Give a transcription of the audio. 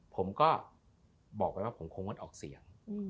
ผมก็บอกไปว่าผมคงงดออกเสียง